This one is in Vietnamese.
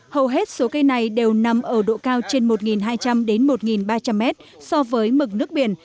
hầu hết số cây này đều nằm ở độ cao trên một hai trăm linh đến một ba trăm linh mét so với mực nước biển